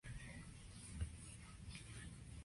וְתִסְמְכֵנוּ לְשָלוֹם.